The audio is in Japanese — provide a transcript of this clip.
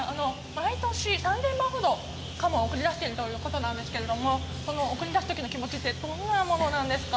毎年３０００羽ほどかもを送り出しているということですが送り出しているときの気持ちってどんなものですか。